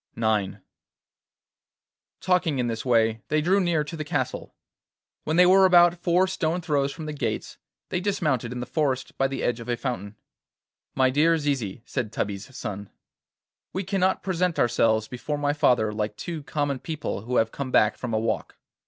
IX Talking in this way they drew near to the castle. When they were about four stone throws from the gates they dismounted in the forest, by the edge of a fountain. 'My dear Zizi,' said Tubby's son, 'we cannot present ourselves before my father like two common people who have come back from a walk.